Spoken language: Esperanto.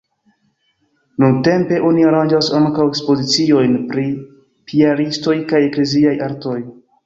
Nuntempe oni aranĝas ankaŭ ekspoziciojn pri piaristoj kaj ekleziaj artoj.